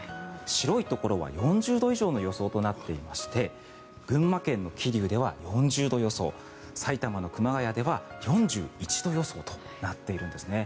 白いところは４０度以上の予想となっていまして群馬県の桐生では４０度予想埼玉の熊谷では４１度予想となっているんですね。